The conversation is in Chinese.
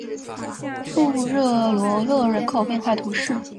富热罗勒人口变化图示